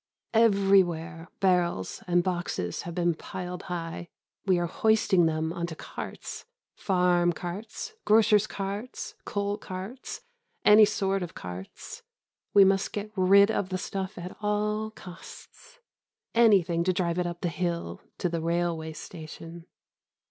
Everywhere barrels and boxes have been piled high. We are hoisting them on to carts farm carts, grocers' carts, coal carts, any sort of carts. We must get rid of the stuff at all costs. Anything to get it up the hill to the railway station.